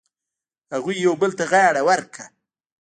هغوی یو بل ته غاړه ورکړه.